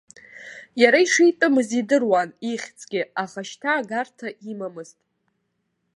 Иара ишитәымыз идыруан ихьӡгьы, аха шьҭа агарҭа имамызт.